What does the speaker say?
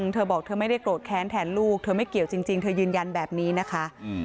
เธอบอกเธอไม่ได้โกรธแค้นแทนลูกเธอไม่เกี่ยวจริงเธอยืนยันแบบนี้นะคะ